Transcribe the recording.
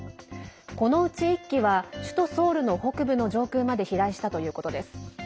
このうち１機は首都ソウルの北部の上空まで飛来したということです。